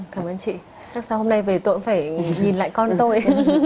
cảm ơn chị chắc sau hôm nay về tội phải nhìn lại con tôi